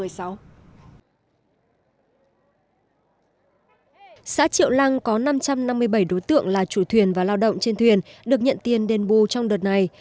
xã triệu lăng có năm trăm năm mươi bảy đối tượng là chủ thuyền và lao động trên thuyền được nhận tiền đền bù trong đợt này